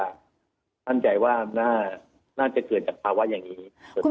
มั่นใจว่าน่าจะเกิดจากภาวะอย่างนี้